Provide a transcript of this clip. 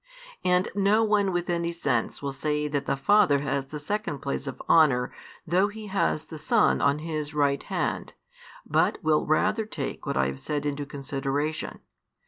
And no one with any sense will say that the Father has the second place of honour though He has the Son on His right hand, but will rather take what I have said into consideration.